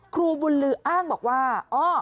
ครูบุญลืออ้างบอกว่า